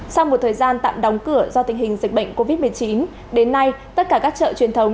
sau một thời gian tạm đóng cửa do tình hình dịch bệnh covid một mươi chín đến nay tất cả các chợ truyền thống